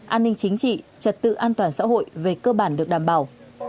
an ninh chính trị trật tự an toàn xã hội về cơ bản được đảm bảo